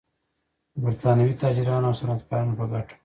د برېټانوي تاجرانو او صنعتکارانو په ګټه و.